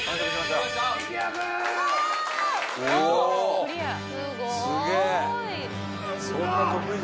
・すごい！